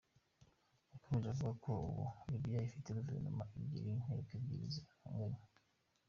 Yakomeje avuga ko ubu, Libye ifite Guverinoma ebyiri n’ inteko ebyiri zihanganye.